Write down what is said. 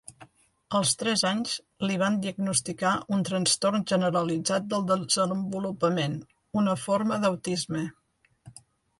Als tres anys li van diagnosticar un trastorn generalitzat del desenvolupament, una forma d'autisme.